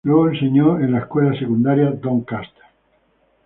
Luego enseñó en la escuela secundaria Doncaster.